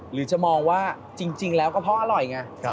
หรือจะมองว่าจริงแล้วก็เพราะอร่อยไง